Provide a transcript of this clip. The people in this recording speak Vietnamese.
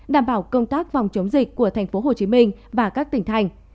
đảm bảo công tác vòng chống dịch của thành phố hồ chí minh và các tỉnh thành